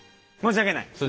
申し訳ない。